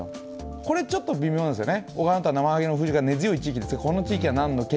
これがちょっと微妙なんですよね。